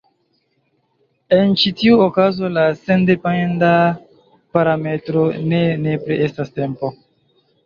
En ĉi tiu okazo la sendependa parametro ne nepre estas tempo.